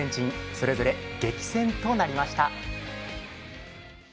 それぞれ激戦となりました。